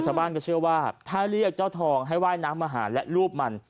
ชาวบ้านก็เชื่อว่าถ้าเรียกเจ้าทองให้ว่ายน้ำมาหารและรูปมัน